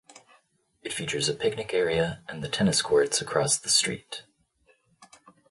It features a picnic area and tennis courts across the street.